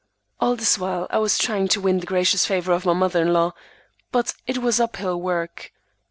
All this while I was trying to win the gracious favor of my mother in law, but it was up hill work.